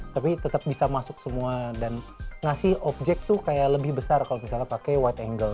tapi tetap bisa masuk semua dan ngasih objek tuh kayak lebih besar kalau misalnya pakai wide angle